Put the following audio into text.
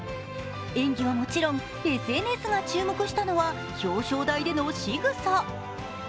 演技はもちろん、ＳＮＳが注目したのは表彰台でのしぐさ。